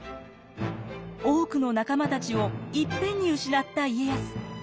多くの仲間たちをいっぺんに失った家康。